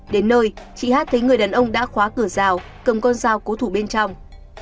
đến nơi chị hát thấy người đàn ông đã khóa cửa rào cầm con dao cố thủ bên trong